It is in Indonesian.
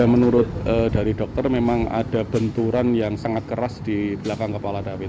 menurut dari dokter memang ada benturan yang sangat keras di belakang kepala david